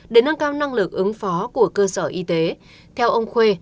để nâng cao năng lực ứng phó của cơ sở y tế theo ông khuê